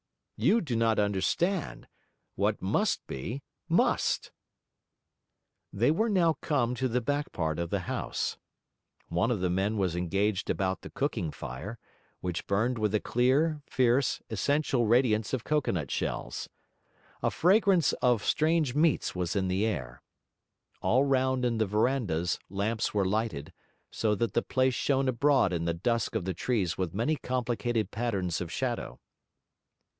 'You do not understand: what must be, must.' They were now come near to the back part of the house. One of the men was engaged about the cooking fire, which burned with the clear, fierce, essential radiance of cocoanut shells. A fragrance of strange meats was in the air. All round in the verandahs lamps were lighted, so that the place shone abroad in the dusk of the trees with many complicated patterns of shadow.